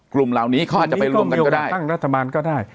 กลุ่มเหล่านี้เขาอาจจะไปรวมกันก็ได้